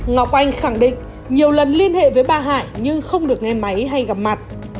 ngọc oanh khẳng định nhiều lần liên hệ với bà hải nhưng không được nghe máy hay gặp mặt